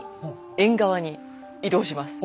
縁側に移動します。